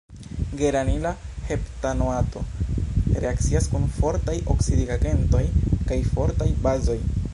Geranila heptanoato reakcias kun fortaj oksidigagentoj kaj fortaj bazoj.